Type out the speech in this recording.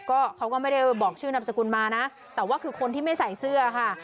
ก็เขาก็ไม่ได้บอกชื่อนามสกุลมานะแต่ว่าคือคนที่ไม่ใส่เสื้อค่ะ